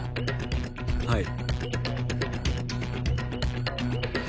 はい。